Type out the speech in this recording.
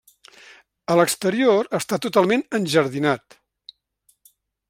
A l'exterior està totalment enjardinat.